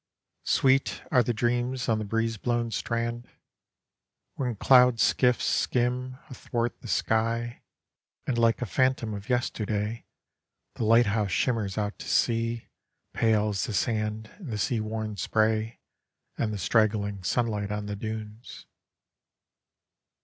Sweet are the dreans on the breoze blown strand! When cloud skiffs skim athwart the And like a phantou of yesterday The light house shirmers out to sea Pale as the sand and the sea worn spray And the strangling sunlight on the dunes.